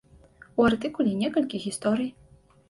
У артыкуле некалькі гісторый.